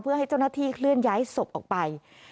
เพื่อให้เจ้าหน้าที่เคลื่อนย้ายศพออกไป